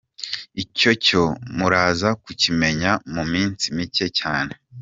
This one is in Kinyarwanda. Icyo cyo muraza kukimenya mu minsi mike cyane.